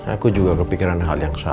aku juga kepikiran hal yang sama